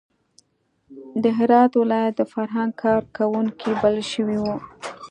د هرات ولایت د فرهنګ کار کوونکي بلل شوي وو.